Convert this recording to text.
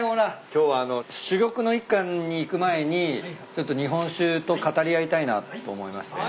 今日は珠玉の一貫にいく前にちょっと日本酒と語り合いたいなと思いまして。